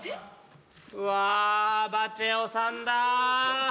うわバチェ男さんだ。